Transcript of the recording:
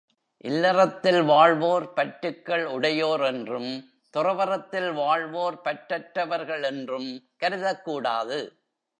இல்லறத்தில் வாழ்வோர் பற்றுக்கள் உடையோர் என்றும், துறவறத்தில் வாழ்வோர் பற்றற்றவர்கள் என்றும் கருதக்கூடாது.